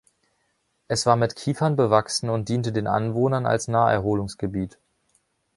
Es war mit Kiefern bewachsen und diente den Anwohnern als Naherholungsgebiet.